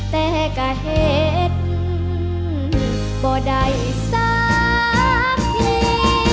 แต่ก็เห็นบ่ได้สักที